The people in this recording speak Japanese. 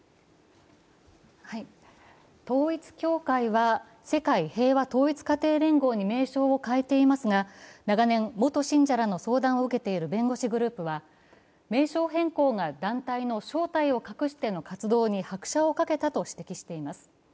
統一教会は世界平和統一家庭連合に名称を変えていますが長年、元信者らの相談を受けている弁護士グループは名称変更が団体の正体を隠しての活動に拍車をかけたとしています。